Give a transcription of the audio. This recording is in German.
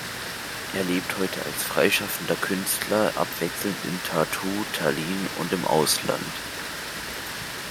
Er lebt heute als freischaffender Künstler abwechselnd in Tartu, Tallinn und im Ausland.